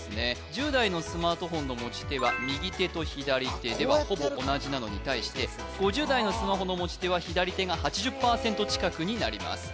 １０代のスマートフォンの持ち手は右手と左手ではほぼ同じなのに対して５０代のスマホの持ち手は左手が８０％ちかくになります